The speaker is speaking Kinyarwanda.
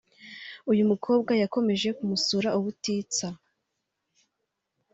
uyu mukobwa yakomeje kumusura ubutitsa